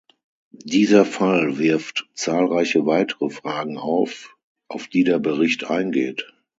Dieser Fall wirft zahlreiche weitere Fragen auf, auf die der Bericht eingeht.